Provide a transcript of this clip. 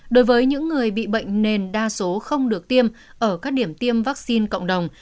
đối với những người bị bệnh nền đa số không được tiêm ở các điểm tiêm vaccine cộng đồng